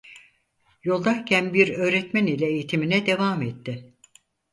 Yoldayken bir öğretmen ile eğitimine devam etti.